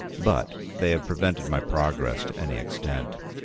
— but they have prevented my progress to any extent.